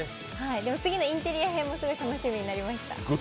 次のインテリア編も楽しみになりました。